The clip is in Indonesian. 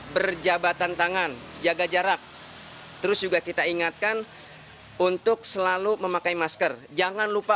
berjabatan tangan jaga jarak terus juga kita ingatkan untuk selalu memakai masker jangan lupa